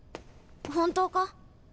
本当か？